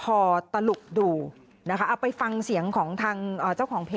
โอ้เดี๋ยวเขาเรียกเอาลูกมานี่